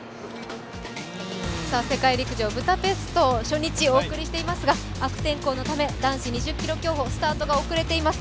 世界陸上ブダペスト初日をお送りしていますが悪天候のため男子２０ｋｍ競歩、スタートが遅れています。